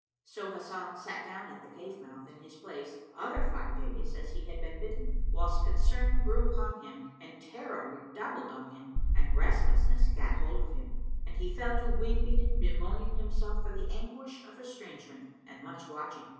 So Hasan sat down at the cave mouth in his place other five days as he had been bidden, whilst concern grew upon him and terror redoubled on him and restlessness gat hold of him, and he fell to weeping and bemoaning himself for the anguish of estrangement and much watching.